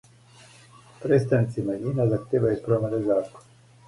Представници мањина захтевају промене закона.